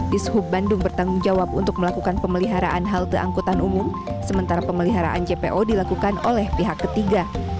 di sub bandung bertanggung jawab untuk melakukan pemeliharaan halte angkutan umum sementara pemeliharaan jpo dilakukan oleh pihak ketiga